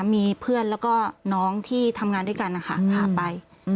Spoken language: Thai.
มีเพื่อนแล้วก็น้องที่ทำงานด้วยกันนะคะพาไป